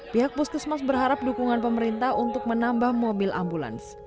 pihak puskesmas berharap dukungan pemerintah untuk menambah mobil ambulans